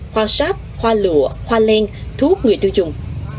hoa sáp hoa lụa hoa len thuốc người tiêu dùng